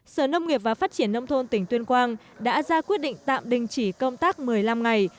sở nông nghiệp và phát triển nông thôn tỉnh tuyên quang đã ra quyết định tạm đình chỉ công tác một mươi năm ngày